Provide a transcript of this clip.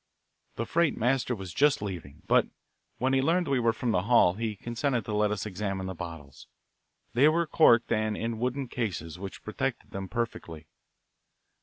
The freight master was just leaving, but when he learned we were from the hall he consented to let us examine the bottles. They were corked and in wooden cases, which protected them perfectly.